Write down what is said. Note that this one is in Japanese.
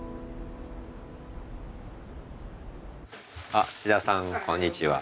あっ土田さんこんにちは。